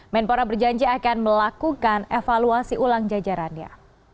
menpora berjanji akan melakukan evaluasi ulang jajarannya